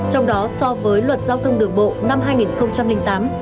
trong đó so với luật giao thông đường bộ năm hai nghìn tám